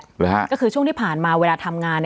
หรือฮะก็คือช่วงที่ผ่านมาเวลาทำงาน